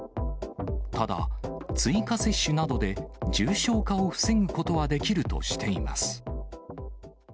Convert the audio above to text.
ただ、追加接種などで重症化を防ぐことはできるとしています。